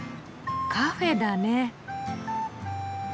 カフェだね。